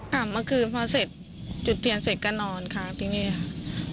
เมื่อคืนพอเสร็จจุดเทียนเสร็จก็นอนค่ะที่นี่ค่ะ